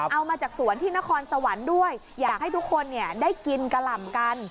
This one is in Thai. เอามาจากสวนที่นครสวรรค์ด้วยอยากให้ทุกคนได้กินกะหล่ำกัน